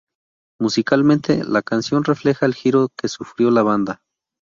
Musicalmente, la canción refleja el giro que sufrió la banda.